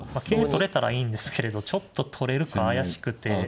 桂取れたらいいんですけれどちょっと取れるか怪しくて。